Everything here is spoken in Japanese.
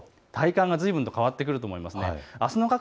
体感がずいぶんと変わってくると思います。